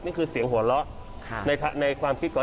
นี่คือเสียงหัวเราะในความคิดก่อน